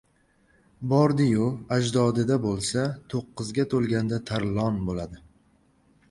Bordi-yu, ajdodida bo‘lsa, to‘qqizga to‘lganda tarlon bo‘ladi.